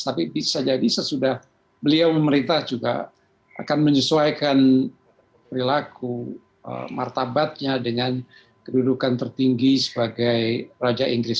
tapi bisa jadi sesudah beliau memerintah juga akan menyesuaikan perilaku martabatnya dengan kedudukan tertinggi sebagai raja inggris